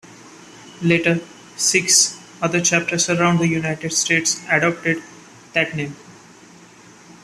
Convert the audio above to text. Later, six other chapters around the United States adopted that name.